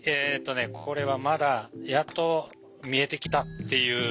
これはまだやっと見えてきたっていう段階で。